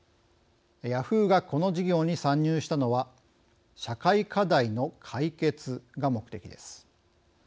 ヤフーがこの事業に参入したのは社会課題の解決が目的です。